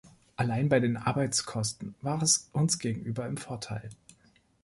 Allein bei den Arbeitskosten war es uns gegenüber im Vorteil.